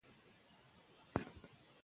که احتکار ونه شي نو قحطي نه راځي.